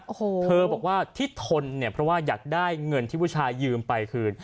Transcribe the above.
โอ้โหเธอบอกว่าที่ทนเนี่ยเพราะว่าอยากได้เงินที่ผู้ชายยืมไปคืน